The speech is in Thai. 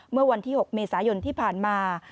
เมื่อวันที่๖เมษายนที่ผ่านมา